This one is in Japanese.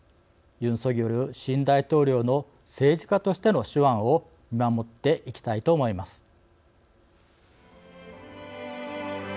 ユン・ソギョル新大統領の政治家としての手腕を見守っていきたいと思います。